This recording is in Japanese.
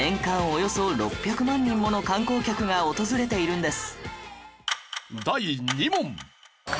およそ６００万人もの観光客が訪れているんです